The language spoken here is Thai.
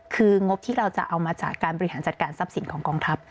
คืองบที่เราจะเอามาจากการบริหารจัดการทรัพย์สินของกองทัพ